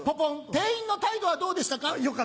店員の態度はどうでしたか？